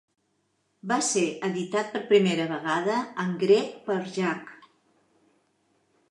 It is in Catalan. Va ser editat per primera vegada en grec per Jac.